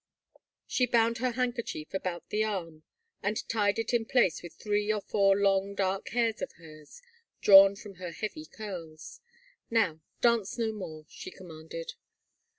She bound her handkerchief about the 240 tt >» THE MARCHIONESS arm and tied it in place with three or four long dark hairs of hers, drawn from her heavy curls. " Now dance no more," she commanded.